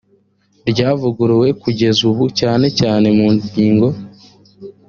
ryavuguruwe kugeza ubu cyana cyane mu ngingo